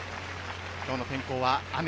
今日の天候は雨。